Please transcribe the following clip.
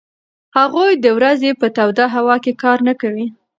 هغوی د ورځې په توده هوا کې کار نه کوي.